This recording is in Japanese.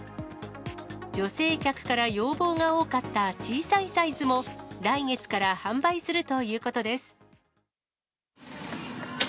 女性客から要望が多かった小さいサイズも、来月から販売するということです。